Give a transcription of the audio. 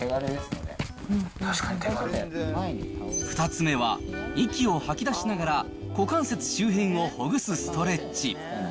２つ目は、息を吐き出しながら、股関節周辺をほぐすストレッチ。